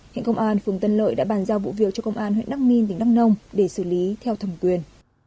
hiện công an phường tân lợi đã bàn giao vụ việc cho công an huyện đắc minh tỉnh đăng nông để xử lý theo thẩm quyền